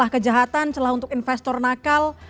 kejahatan celah untuk investor nakal